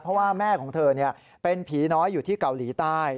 เพราะว่าแม่ของเธอเป็นผีน้อยอยู่ที่เกาหลีใต้